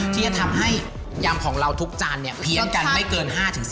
ที่จะทำให้ยำของเราทุกจานเนี่ยเพี้ยนกันไม่เกิน๕๑๐